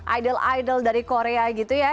lagi lagi ada musisi musisi dari korea gitu ya